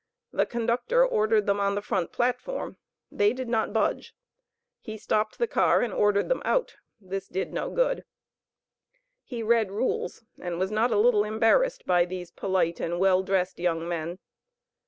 The conductor ordered them on the front platform; they did not budge. He stopped the car and ordered them out; this did no good. He read rules, and was not a little embarrassed by these polite and well dressed young men.